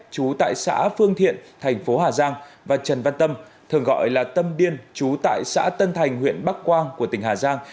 chú tại xã phương thiện thành phố hà giang và trần văn tâm thường gọi là tâm điên chú tại xã tân thành huyện bắc quang của tỉnh hà giang